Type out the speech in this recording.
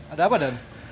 ada apa dan